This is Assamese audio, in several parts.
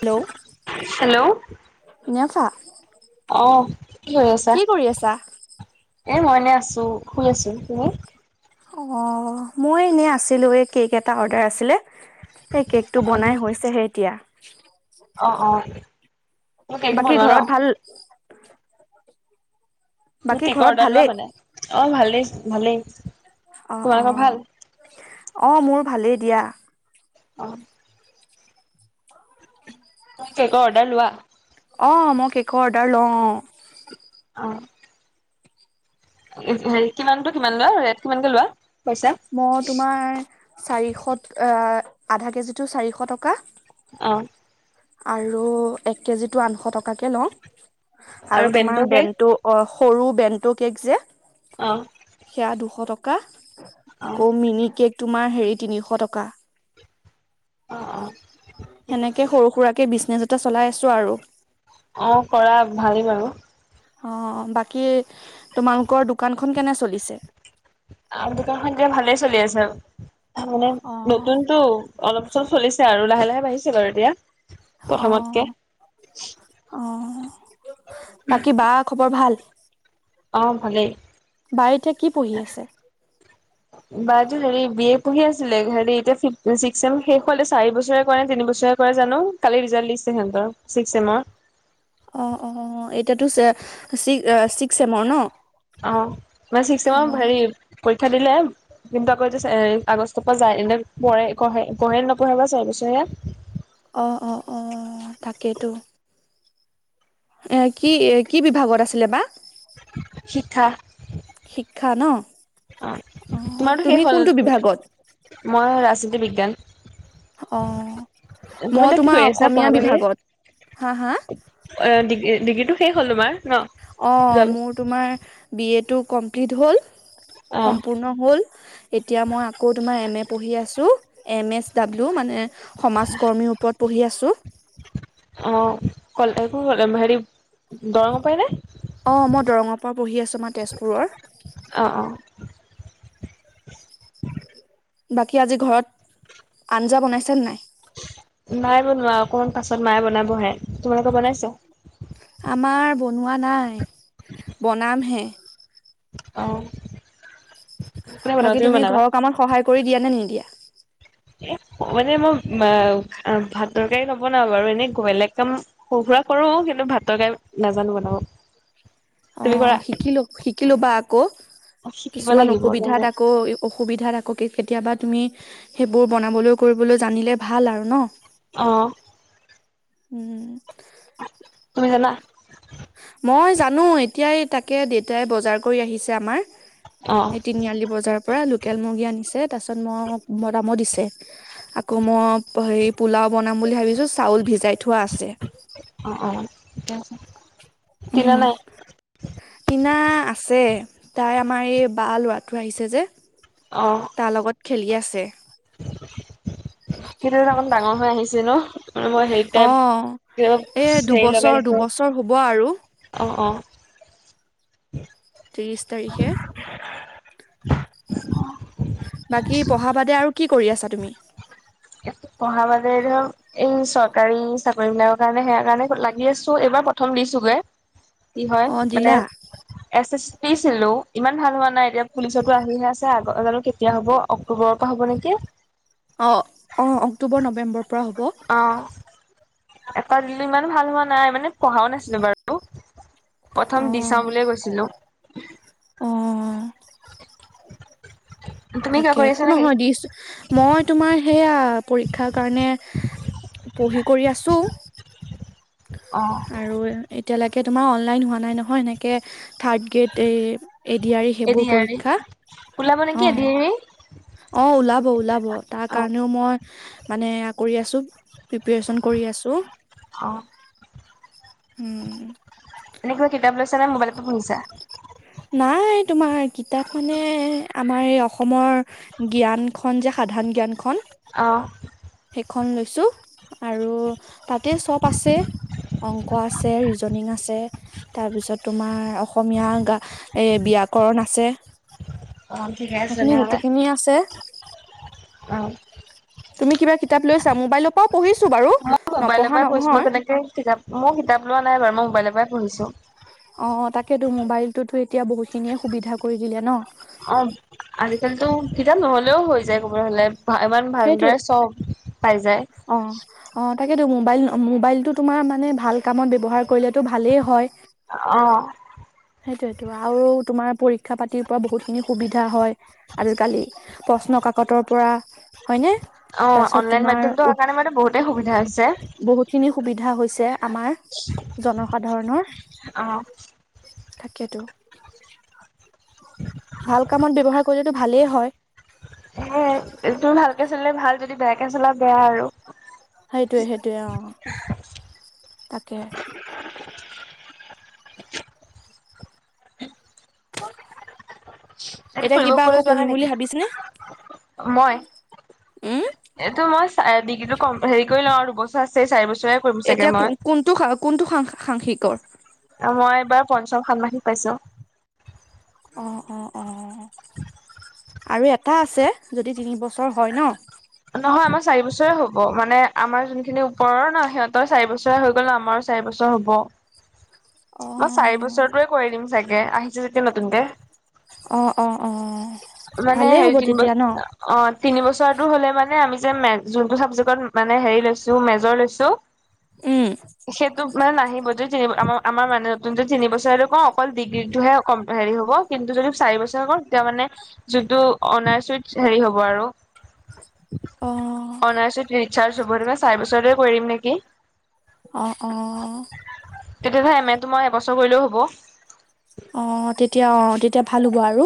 Hello hello. নেফা অঁহ', কি হৈ আছা? কি কৰি আছা? এ মই এনেই আছো, শুই আছো। তুমি? অঁ', মই এনেই আছিলোঁ এই কেক এটা অৰ্ডাৰ আছিলে। সেই কেকটো বনাই হৈছে'হে এতিয়া। অঁ', -অঁ',। বাকী ঘৰত ভাল। তুমি বাকী কেকৰ ঘৰত অৰ্ডাৰ লোৱা ভালেই? মানে। অঁ', -ভালেই-ভালেই। অঁহ', -অঁহ', অঁ', -মোৰ ভালেই দিয়া। অহ। তুমি কেকৰ অৰ্ডাৰ লোৱা? অঁ', -মই কেকৰ অৰ্ডাৰ লওঁ অঁ',। অহ'। হেৰি কিমানটো কিমান লোৱা, ৰেট কিমানকে লোৱা পইচা? [unintelligible] চাৰিশত, এ' আধা কেজিটো চাৰিশ টকা। অহ'। আৰু এক কেজিটো আঠশ টকাকে লওঁ। আৰু বেণ্টৰ তোমাৰ কেক? বেনটো- অহ', সৰু বেণ্টো কেক যে অঁ। সেয়া দুশ টকা, অ আকৌ মিনি কেক, তোমাৰ হেৰি তিনিশ টকা। অ অ সেনেকে সৰু, সুৰাকে বিজনেছ এটা চলাই আছোঁ আৰু। অ', কৰা ভালে বাৰু। অঁ', বাকী, তোমালোকৰ দোকানখন কেনে চলিছে? অ', দোকানখন এতিয়া ভালে চলি আছে, মানে অ নতুনতটো অলপ চলপ চলিছে আৰু লাহে-লাহে বাঢ়িছে বাৰু এতিয়া। প্ৰথমতকে অঁহ', -অঁহ', বাকী বা খবৰ ভাল? অ', ভালেই। বাই এতিয়া কি পঢ়ি আছে? বা হেৰি বি এ পঢ়ি আছিলে, হে এতিয়া শেষ হলে চাৰি বছৰে কৰে নে তিন বছৰে কৰে জানো কালি ৰিজাল্ দিছে সিহঁতৰ, ছিকচেম। অ', - অ', এতিয়াতো, চ -চ অ', অ চিক‌চেমৰ হেৰি, পৰীক্ষা দিলে। কিন্তু আকৌ য আগষ্টৰ পৰা যায় এনে পঢ়ে- পঢ়ে -পঢ়ে নপঢ়ে বা চাৰি বছৰিয়া। অঁ', - অঁ', -অঁ', -তাকেতো। কি কি বিভাগত আছিলে বা? শিক্ষা। শিক্ষা ন। অ', অ', তোমাৰতো শেষ তুমি হ'ল কোনটো বিভাগত? মই ৰাজনীতি বিজ্ঞান। অ', - তুমি মই এতিয়া কি তোমাৰ কৰি আছা পঢ়া অসমীয়া বাহিৰে বিভাগত। হা-হা? অ', ডিগ-ডিগ্ৰী টো শেষ হ'ল তোমাৰ? ন যোৱা অ', বছৰ মোৰ তোমাৰ, বি এটো কমপ্লিট হ'ল। অ', সম্পূৰ্ণ হ'ল। এতিয়া মই আকৌ তোমাৰ এম এ পঢ়ি আছো, এম এচ ডাব্লিউ মানে সমাজকৰ্মীৰ ওপৰত পঢ়ি আছোঁ। অ', কল হেৰি, দৰমহা পায় নে? অঁ', মই দৰঙৰ পৰা পঢ়ি আছোঁ মই তেজপুৰৰ। অ', - অ',। বাকী আজি ঘৰত, আঞ্জা বনাইছেনে নাই? নাই বনোৱা অকনমান পাছত মায়ে বনাবহে, তোমালোকে বনাইছে? আমাৰ বনোৱা নাই, বনামহে। আহ। বাকী তুমি ঘৰৰ কামত সহায় কৰি দিয়া নে নিদিয়া? এ মানে মই ভাত তৰকাৰী নবনাও বাৰু এনে বেলেগ কাম সৰু-সুৰা কৰো, কিন্তু ভাত টৰকাৰী নাজানো বনাব। [inaudible] তুমি কৰা অ', শিকিলো- শিকিলো বা আকৌ, শিকিব কিছুমান লাগিব অসুবিধাত তেনে আকৌ অসুবিধাত আকৌ কেতিয়াবা তুমি, সেইবোৰ বনাবলৈ কৰিবলৈ জানিলে ভাল আৰু ন। অঁহ। উম। তুমি জানা? মই জানো এতিয়াই তাকে দেউতাই বজাৰ কৰি আহিছে আমাৰ। অ এই তিনিআলি বজাৰৰ পৰা লোকেল মুৰ্গী আনিছে, তাৰ পিছত মোক বনাব দিছে। আকৌ মই হেৰি পোলাও বনাম বুলি ভাবিছো চাউল ভিজাই থোৱা আছে অ অ কিনা নাই কিনা আছে তাই আমাৰ এই বাৰ ল'ৰাটো আহিছে যে অঁ তাৰ লগত খেলি আছে সিতো অকমান ডাঙৰ হৈ আহিছে ন মানে মই হেৰি অ টাইপ এ হেৰি দুবছৰ লগাই ৰাখো দুবছৰ হ'ব আৰু অ অ ত্ৰিশ তাৰিখে বাকী পঢ়া বাদে আৰু কি কৰি আছা তুমি একো পঢ়া বাদেতো এই চৰকাৰী চাকৰি বিলাকৰ কাৰণে সেয়া কাৰণে লাগি আছো এইবাৰ প্ৰথম দিছোগে কি হয় অ মানে [unintelligible] এছ এছ দিছিলো ইমান ভাল হোৱা নাই এতিয়া পুলিচৰ পৰা আহিহে আছে আকৌ জানো কেতিয়া হ'ব অক্টোবৰৰ পৰা হ'ব নেকি অঁ অঁ অক্টোবৰ নৱেম্বৰৰ পৰা হ'ব অঁ এটা দিলো ইমান ভাল হোৱা নাই মানে পঢ়াও নাছিলো বাৰু অ প্ৰথম দি চাওঁ বুলিয়ে কৈছিলো অ তুমি কিবা তাকে কৰি একো আছা নেকি নহয় দিছো মই তোমাৰ সেইয়া পৰীক্ষাৰ কাৰণে পঢ়ি কৰি আছো অ আৰু এতিয়ালৈকে তোমাৰ অনলাইন হোৱা নাই নহয় সেনেকৈ থাৰ্ড গ্ৰেড এই এডিয়াৰি ৰ এডি সেইবোৰ আৰি পৰীক্ষা ওলাব অ নেকি এডিয়াৰি অ ওলাব ওলাব তাৰ কাৰণেও মই মানে কৰি আছো। প্ৰিপৰেচন কৰি আছো। অ উম এনেকুৱা কিতাপ লৈছা নে মবাইলতে পঢ়িছা। নাই তোমাৰ কিতাপ মানে আমাৰ এই অসমৰ, জ্ঞান খন যে সাধাৰণ জ্ঞানখন। অঁ সেইখন লৈছো আৰু তাতে চপ আছে। অংক আছে ৰিজনিং আছে তাৰপিছত তোমাৰ অসমীয়া গা, এ ব্যাকৰণ আছে। অ ঠিকে আছে সেইখিনি তেনেহ'লে গোটেইখিনি আছে। অঁ তুমি কিবা কিতাপ লৈছা। মোবাইলৰ পৰাও পঢ়িছো বাৰু? মই মোবাইলৰ নপঢ়া পৰাই পঢিছো মই নহয় তেনেকে কিতাপ মোৰ কিতাপ লোৱা নাই মই মোবাইৰ পৰাই পঢ়িছো। অ তাকেতো মোবাইলটোতো এতিয়া বহুতখিনিয়ে সুবিধা কৰি দিলে ন'। অ আজিকালিতো কিতাপ নহলেও হৈ যায় ক'ব হলে। ইমান ভালদৰে সেইটোৱে চব পাই যায়। অ অ তাকেতো মোবাইল মোবাইলটো তোমাৰ মানে ভাল কামত ব্যৱহাৰ কৰিলে টো ভালেই হয়। অ সেইটোয়েতো আৰু তোমাৰ পৰীক্ষা পাতিৰ পৰা বহুত খিনি সুবিধা হয়। আজিকালি প্ৰশ্ন কাকতৰ পৰা হয়নে? অ তাৰপিছত অনলাইন তোমাৰ মাধ্যমটো হোৱাৰ কাৰণে মানে বহুতেই সুবিধা হৈছে। খিনি সুবিধা হৈছে আমাৰ জনসাধাৰণৰ অ তাকেতো ভাল কামত ব্যৱহাৰ কৰিলেতো ভালেই হয়। হে তোৰ ভালকে চলিলে ভাল। যদি বেয়াকে চলা বেয়া আৰু। সেইটোয়ে সেইটোয়ে অ তাকে। ইয়াত কতো এতিয়া কিবা আকৌ ফুৰিবলৈ যোৱা নাই পঢ়িম বুলি নেকি? ভাবিছেনে? মই উম, এইটো মই ডিগ্ৰীটো সেই কৰি লও আৰু দুবছৰ আছে চাৰি বছৰ। এতিয়া কোনটো কোনটো সাংসিকৰ? মই এইবাৰ পঞ্চম ষান্মাৰ্ষিক পাইছো। অ অ অ আৰু এটা আছে যদি তিনিবছৰ হয় ন'। নহয় আমাৰ চাৰি বছৰে হ'ব। মানে আমাৰ যোনখিনি ওপৰৰ ন সিহঁতৰ চাৰি বছৰে হৈ গ'ল আমাৰ, চাৰি বছৰ হ'ব। অহ মই চাৰি বছৰটোৱে কৰি দিম চাগে আহিছে যেতিয়া নতুনকে। অ অ অ মানে ভালেই হেৰি হ'ব তিন বছ তেতিয়া ন। অ তিন বছৰটোৰ হলে মানে আমি যে ম যোনটো ছাবজেক্টত মানে হেৰি লৈছো মেজৰ লৈছো। উ সে। মানে নাহিব যদি তিনি আম আমাৰ মানে নতুন যে তিন বছৰেটো ক অকল ডিগ্ৰীটোহে কম্পিলিত হ' কিন্তু যদি চাৰি বছৰ কৰো তেতিয়া মানে যিটো অনাৰইত হেৰি হ'ব আৰু। অ অনাৰ্চ উইথ ৰিচাৰ্চ হব চাৰি বছৰটোৱে কৰিম নেকি? অ অ। তেতিয়াহলে এম এ তো মই এবছৰ কৰিলেও হ'ব? অ তেতিয়া অ তেতিয়া ভাল হ'ব আৰু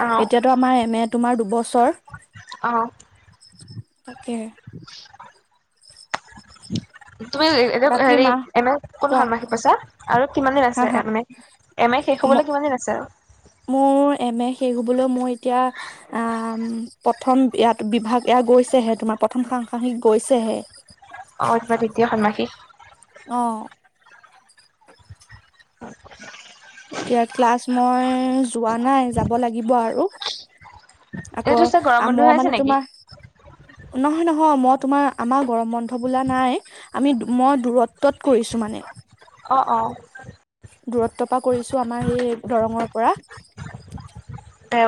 অ', আমাৰ এম এ তোমাৰ দুবছৰ। অঁ, তাকে, উ তুমি এতিয়া হেৰি এনে কোন কোৱা সন্মাখি পইছা আৰু কিমান দিন হা আছে হা এনে এম এ শেষ ম হবলৈ কিমান দিন আছে আৰু মোৰ এম এ শেষ হ'বলৈ মই এতিয়া আহ প্ৰথম ইয়াত বিভাগ এ গৈছেহে তোমাৰ প্ৰথম সাংসাসিক গৈছেহে অ এতিয়া দ্বিতীয় ষন্মাসিক অঁ উ [inaudible] এতিয়া ক্লাছ মই যোৱা নাই যাব লাগিব আৰু আকৌ এইটো চা গৰম বন্ধ মোৰ হৈ আছে মানে নেকি? তোমাৰ নহয় নহয় মই তোমাৰ আমাৰ গৰম বন্ধ বোলা নাই আমি মই দূৰত্বত কৰিছো মানে অঁ অঁ দূৰত্ব পৰা কৰিছো আমাৰ সেই দৰঙৰ পৰা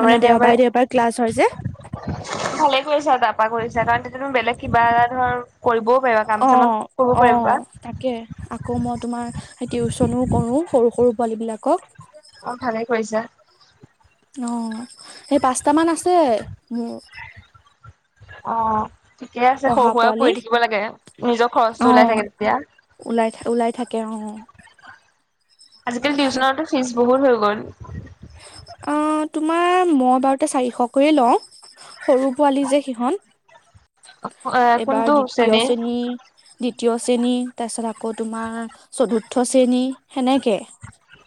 মানে দেওবাৰে দেওবাৰে ক্লাছ হয় যে দেউবাৰে ভালে কৰিছা আৰু তাৰাপা কৰিছা কাৰণ তেতিয়া তুমি বেলেগ কিবা এটা ধৰ কৰিবও পাৰিবা কাম অ চামত কৰিব অ পাৰিব বা। তাকে আকৌ মই তোমাৰ টিউচনো কৰো সৰু সৰু পোৱালী বিলাকক। অ', ভালে কৰিছা। অ', সেই পাঁচটামান আছে মোৰ। অ', ঠিকে আছে সৰু পঢ়া সুৰাও পোৱালি কৰি থাকিব লাগে নিজৰ অ খৰচটো ওলাই থাকে তেতিয়া। ওলাই থাৰে ওলাই থাকে অ'। আজিকালি তাকে টিউচনতো ফিজ বহুত হৈ গ'ল। অ', তোমাৰ মই বাৰুতে চাৰিশকৈয়ে লওঁ। সৰু পোৱালি যে সিহঁত অ', কোনটো এইবাৰ দ্বিতীয় শ্ৰেণীৰ শ্ৰেণী। দ্বিতীয় শ্ৰেণী তাৰপিছত আকৌ তোমাৰ চতুৰ্থ শ্ৰেণী সেনেকে।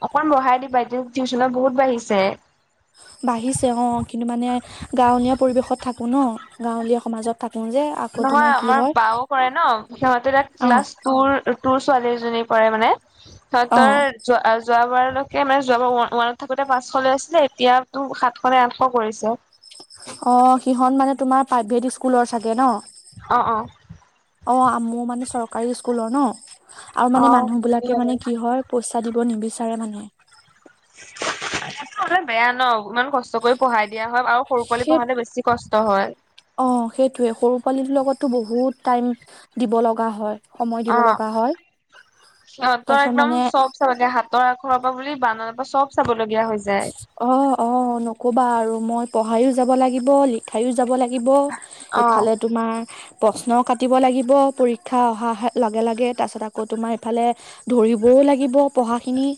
অকণ বঢ়াই দিবা এতিয়া টিউশনত বহুত বাঢ়িছে। বাঢ়িছে অ', কিন্তু মানে গাঁৱলীয়া পৰিৱেশত থাকোঁ ন গাঁৱলীয়া সমাজত থাকো যে। আকৌ নহয় তোমাৰ কি আমাৰ হয় বাও কৰে ন সিহঁতে তাত অ লাষ্ট তোৰ তোৰ ছোৱালীজনী পৰে মানে অ তোৰ যোৱা যোৱাবাৰলৈকে মানে যোৱাবাৰ ওৱানত থাকোতে পাঁচশ লৈ আছিলে এতিয়াতো সাতশ নে আঠশ কৰিছে। অ', সিহত মানে তোমাৰ প্ৰাইভেট স্কুলৰ চাগে ন। অ', অ'। অ', মোৰ মানে চৰকাৰী স্কুলৰ ন আৰু মানে অ', মানুহ বিলাকে মানে কি হয় পইচা দিব নিবিচাৰে মানে। অলে বেয়া ন ইমান কষ্ট কষ্ট কৰি পঢ়াই দিয়া হয় আৰু সৰু পোৱালি সেই পঢ়াতে বেছি কষ্ট হয়। অ', সেইটোয়ে সৰু পোৱালিৰ লগতো বহুত টাইম দিব লগা হয়। সময় দিব অ লগা হয়, সিহঁতৰ তাৰ পিছত একদম মানে চব চাব লাগে হাতৰ আখৰ পৰা বুলি বানৰ পৰা চব চাবলগীয়া হৈ যায়। অ', অ', নকবা আৰু মই পঢ়াইও যাব লাগিব লিখাইও যাব লাগিব। লিব অ এইফালে তোমাৰ প্ৰশ্ন কাটিব লাগিব পৰীক্ষা অহা লগে, লগে তাৰ পিছত আকৌ তোমাৰ ইফালে ধৰিবও লাগিব পঢ়াখিনি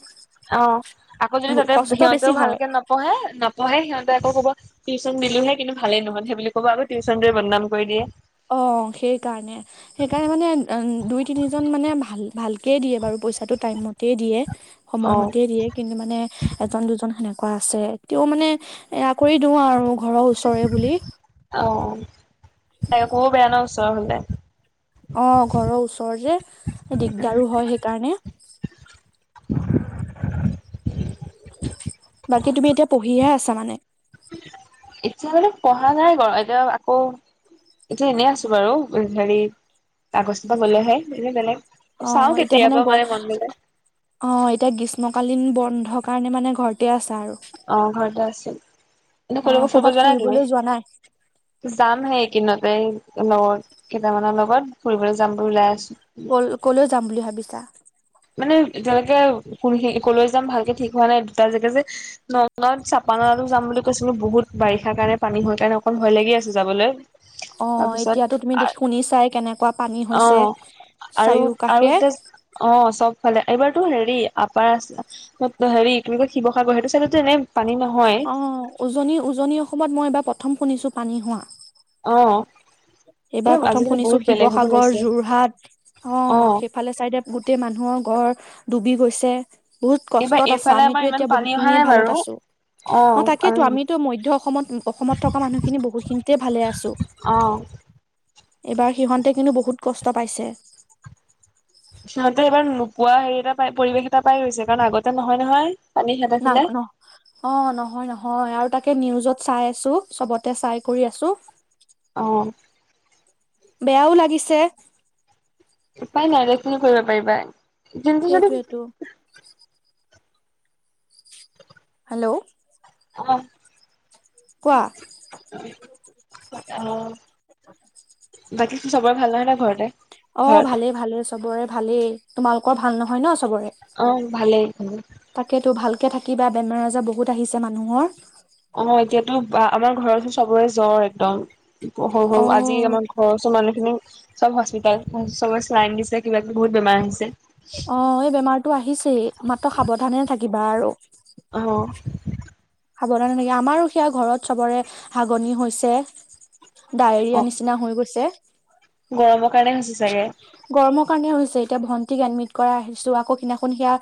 অ', আকৌ যদি তাতে কষ্ট বেছি সিহঁতেও হয় ভালকে নপঢ়ে, নপঢ়ে সিহঁতে আকৌ কব টিউচন দিলোহে কিন্তু ভালেই নোহান সেই বুলি ক'ব আৰু টিউশনোৱে বদনাম কৰি দিয়ে। অ', সেইকাৰণে। সেইকাৰণে মানে দুই তিনিজন মানে ভাল ভালকেই দিয়ে বাৰু পইচাটো টাইমমতেই দিয়ে। অ সময়মতে দিয়ে। কিন্তু মানে এজন দুজন সেনেকুৱা আছে তেও মানে এয়া কৰি দিওঁ আৰু ঘৰৰ ওচৰে বুলি। অ', তাকৌ বেয়া ন ওচৰ হ'লে অ', ঘৰৰ ওচৰৰ যে দিগদাৰো হয় সেইকাৰণে বাকী তুমি এতিয়া পঢ়িহে আছা মানে। এতিয়া মানে পঢ়া নাই বাৰু এতিয়া আকৌ এতিয়া এনেই আছো, বাৰু হেৰি আগষ্ট পৰা গ'লেহে এনেই বেলেগ অ চাওঁ এতিয়া গ কেতিয়াবা মানে মন গ'লে। অ', এতিয়া গ্ৰীষ্মকালীন বন্ধৰ কাৰণে মানে ঘৰতে আছা আৰু। অ' ঘৰতে আছোঁ। এনে অ ক'লৈকো ফুৰিব কৰ'বাত যোৱা নাই তুমি? ফুৰিবলৈ যোৱা নাই যামহে এই কিদিনতে লগত। কেইটামানৰ লগত ফুৰিবলৈ যাম বুলি ওলাই আছোঁ। কল-ক'লৈ যাম বুলি ভাবিছা? মানে এতিয়ালৈকে ক'লৈ যাম ভালকে ঠিক হোৱা নাই, দুটা জেগা যে। ন-নগাঁৱত চেপানলালৈ যাম বুলি কৈছিলোঁ, বহুত বাৰিষাৰ কাৰণে, পানী হোৱাৰ কাৰণে অকণ ভয় লাগি আছে যাবলৈ। অ' তাৰপিছত এতিয়াতো তুমি দে, শুনিছাই কেনেকুৱা পানী অ হৈছে। আৰু আৰু চাৰিওকাষে এতিয়া, অ'। চব ফালে। এইবাৰতো হেৰি আপাৰ আ, হেৰি কি বুলি কয় শিৱসাগৰ সেইটো চাইডতো এনে পানী নহয় অ' উজনি, উজনি অসমত মই এবাৰ প্ৰথম শুনিছোঁ পানী হোৱা। অ'। এ এইবাৰ প্ৰথম আজিকালি শুনিছোঁ বহুত বেলেগ হ'ব শিৱসাগৰ, লৈছে যোৰহাট, অ'। ইফালে চাইডে গোটেই মানুহৰ ঘৰ ডুবি গৈছে। বহুত এইবাৰ কষ্টত আছা, এইফালে আমিতো আমাৰ ইমান এতিয়া পানী অহা বহুতখিনিয়ে নাই ভালত বাৰু আছোঁ। অ' তাকেতো, আমিতো মধ্য অসমত, অসমত থকা মানুহখিনি বহুখিনিতে ভালে আছোঁ। অ'। এইবাৰ সিহঁতে কিন্তু বহুত কষ্ট পাইছে। সিহঁতে এইবাৰ নোপোৱা হেৰি এটা পাই, পৰিৱেশ এটা পাই গৈছে কাৰণ আগতে নহয় নহয়। পানী সিহঁতৰ না, ফালে। ন' অ' নহয় নহয়, আৰু তাকে নিউজত চাই আছোঁ, চবতে চাই কৰি আছোঁ। অ'। বেয়াও লাগিছে। উপাই নাই কিনো কৰিব পাৰিবা কিন্তু যদি সেইটোৱেতো হেল্ল'। অ'। কোৱা অ' বাকী চবৰে ভাল হয় ন' ঘৰতে? অ' ঘৰত ভালেই ভালে, চবৰে ভালেই। তোমালোকৰ ভাল নহয় ন'? চবৰে অ' ভালেই। তাকেতো ভালকে থাকিবা, বেমাৰ আজাৰ বহুত আহিছে মানুহৰ। অ' এতিয়াতো বা আমাৰ ঘৰতো চবৰে জ্বৰ একদম, সৰু সৰু অ আজি আমাৰ ঘৰ ওচৰৰ মানুহখিনি চব হস্পিতাল, চবে চিলাইন দিছে, কিবা কিবি বহুত বেমাৰ আহিছে। অ' এই বেমাৰটো আহিছেই, মাত্ৰ সাৱধানে থাকিবা আৰু। অ'। সাৱধানে থাকি, আমাৰো সেয়া ঘৰত চবৰে হাগনি হৈছে। অ ডায়েৰিয়া নিচিনা হৈ গৈছে। গৰমৰ কাৰণে হৈছে চাগে। গৰমৰ কাৰণে হৈছে। এতিয়া ভন্টিক এডমিট কৰাই আহিছোঁ আকৌ সেইদিনাখন সেয়া